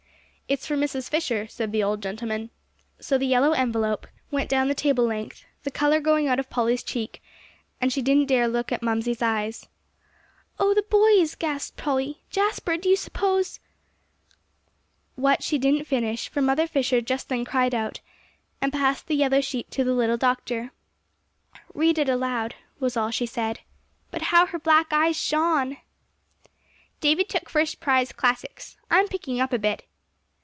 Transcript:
"It's for Mrs. Fisher," said the old gentleman. So the yellow envelope went down the table length, the color going out of Polly's cheek; and she didn't dare to look at Mamsie's eyes. "Oh the boys!" gasped Polly. "Jasper, do you suppose?" What, she didn't finish; for Mother Fisher just then cried out, and passed the yellow sheet to the little doctor. "Read it aloud," was all she said. But how her black eyes shone! "David took first prize classics. I'm picking up a bit.